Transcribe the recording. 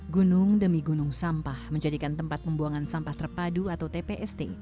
gunung demi gunung sampah menjadikan tempat pembuangan sampah terpadu atau tpst